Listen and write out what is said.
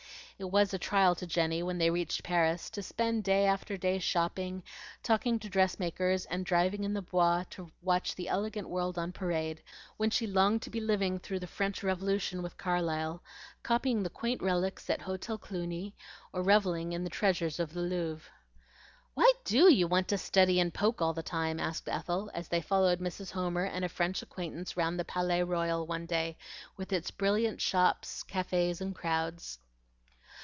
It was a trial to Jenny, when they reached Paris, to spend day after day shopping, talking to dressmakers, and driving in the Bois to watch the elegant world on parade, when she longed to be living through the French Revolution with Carlyle, copying the quaint relics at Hotel Cluny, or revelling in the treasures of the Louvre. "Why DO you want to study and poke all the time?" asked Ethel, as they followed Mrs. Homer and a French acquaintance round the Palais Royal one day with its brilliant shops, cafes, and crowds.